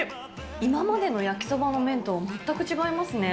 今までの焼きそばの麺とは全く違いますね。